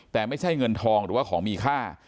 แต่ไม่ใช่เงินทองหรือว่าของมีค่า